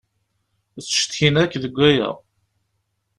Ttcetkin akk deg waya.